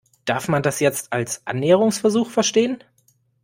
Darf man das jetzt als Annäherungsversuch verstehen?